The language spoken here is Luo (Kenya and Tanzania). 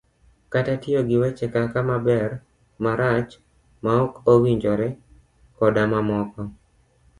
kata tiyo gi weche kaka" maber, marach, maok owinjore, " koda mamoko.